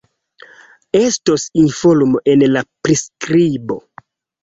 Estos informo en la priskribo